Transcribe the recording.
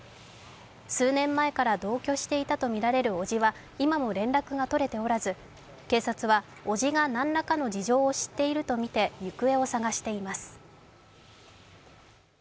数年前から同居していたとみられるおじは今も連絡が取れておらず警察はおじが何らかの事情を知っていると見て行方を捜しています。